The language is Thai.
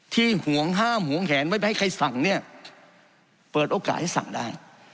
ห่วงห้ามหวงแหนไม่ไปให้ใครสั่งเนี่ยเปิดโอกาสให้สั่งได้